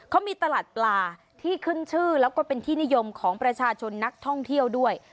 เขามีตลาดปลาที่ขึ้นชื่อแล้วก็เป็นที่นิยมของประชาชนนักท่องเที่ยวด้วย